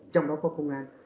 trong đó có công an